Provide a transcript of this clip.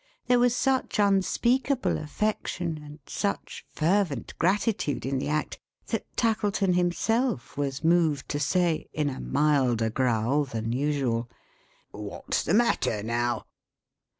There was such unspeakable affection and such fervent gratitude in the act, that Tackleton himself was moved to say, in a milder growl than usual: "What's the matter now?"